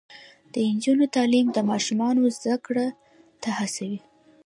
د نجونو تعلیم د ماشومانو زدکړې ته هڅوي.